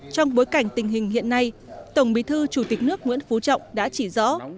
trong bối cảnh tình hình hiện nay tổng bí thư chủ tịch nước nguyễn phú trọng đã chỉ rõ